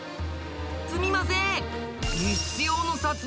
すみません！